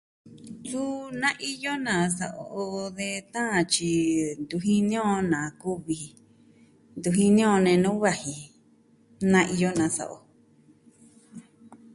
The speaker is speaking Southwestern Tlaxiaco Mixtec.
Suu na iyo nasa sa'a o de taan tyi ntu jini o na kuvi, ntu jini on nenu vaji ji. Na iyo nasa'a o.